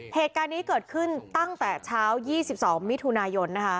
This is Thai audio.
เหตุการณ์นี้เกิดขึ้นตั้งแต่เช้า๒๒มิถุนายนนะคะ